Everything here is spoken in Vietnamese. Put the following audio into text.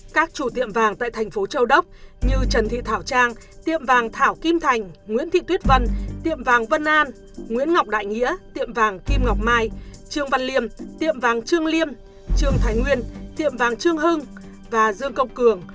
các chủ tiệm vàng tại thành phố châu đốc như trần thị thảo trang tiệm vàng thảo kim thành nguyễn thị tuyết vân tiệm vàng vân an nguyễn ngọc đại nghĩa tiệm vàng kim ngọc mai trương văn liêm tiệm vàng trương liêm trương thái nguyên tiệm vàng trương hưng và dương công cường